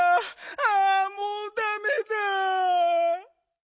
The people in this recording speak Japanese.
ああもうダメだ。